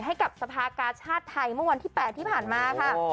ให้กับสภากาชาติไทยเมื่อวันที่๘ที่ผ่านมาค่ะ